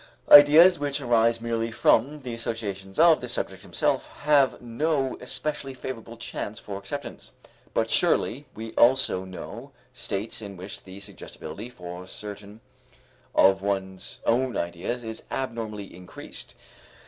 Ideas which arise merely from the associations of the subject himself have no especially favorable chance for acceptance. But surely we also know states in which the suggestibility for certain of one's own ideas is abnormally increased.